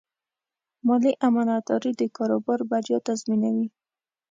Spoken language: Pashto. مالي امانتداري د کاروبار بریا تضمینوي.